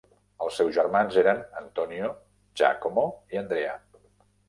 Els seus germans eren Antonio, Giacomo i Andrea.